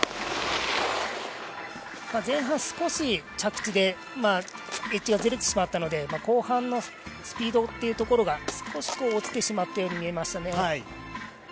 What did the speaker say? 前半、少し着地でエッジがずれてしまったので後半のスピードというところが少し落ちてしまったように見えましたね。